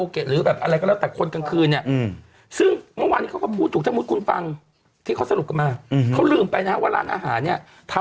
เขาบอกว่าเขาได้รับผลกระทบแบบนี้